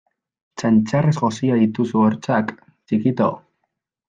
Txantxarrez josia dituzu hortzak txikito!